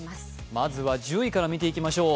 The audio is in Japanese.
まずは１０位から見ていきましょう。